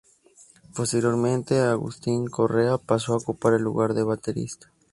Posteriormente, Agustín Correa pasó a ocupar el lugar de baterista.